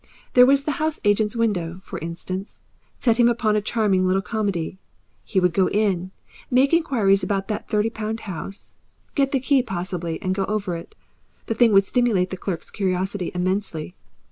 There was the house agent's window, for instance, set him upon a charming little comedy. He would go in, make inquires about that thirty pound house, get the key possibly and go over it the thing would stimulate the clerk's curiosity immensely.